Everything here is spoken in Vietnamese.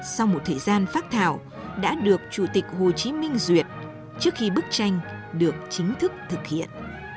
sau một thời gian phát thảo đã được chủ tịch hồ chí minh duyệt trước khi bức tranh được chính thức thực hiện